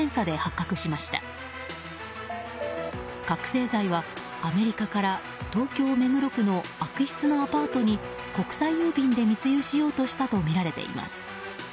覚醒剤は、アメリカから東京・目黒区の空き室のアパートに国際郵便で密輸しようとしたとみられています。